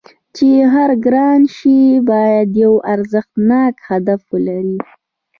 چې هر ګران شی باید یو ارزښتناک هدف ولري